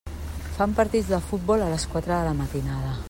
Fan partits de futbol a les quatre de la matinada.